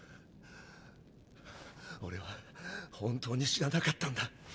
俺は本当に知らなかったんだ。